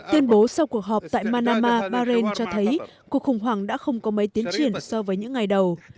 tuyên bố sau cuộc họp tại manama bahen cho thấy cuộc khủng hoảng đã không có mấy tiến triển so với những ngày đầu